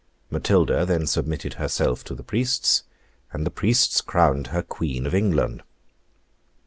Matilda then submitted herself to the Priests, and the Priests crowned her Queen of England.